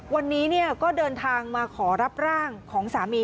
วันนี้ก็เดินทางมาขอรับร่างของสามี